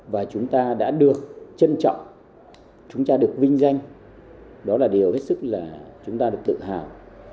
và chúng ta đã được trân trọng chúng ta được vinh danh đó là điều hết sức là chúng ta được tự hào